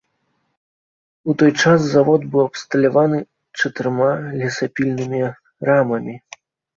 У той час завод быў абсталяваны чатырма лесапільнымі рамамі.